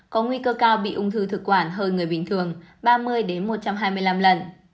có nguy cơ cao bị ung thư thực quản hơn người bình thường ba mươi một trăm hai mươi năm lần